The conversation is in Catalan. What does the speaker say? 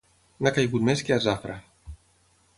N'ha caigut més que a Zafra.